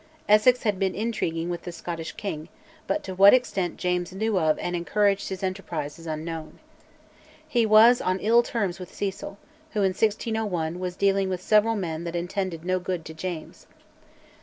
Essex had been intriguing with the Scottish king, but to what extent James knew of and encouraged his enterprise is unknown. He was on ill terms with Cecil, who, in 1601, was dealing with several men that intended no good to James.